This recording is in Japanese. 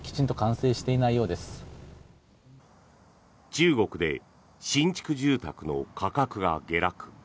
中国で新築住宅の価格が下落。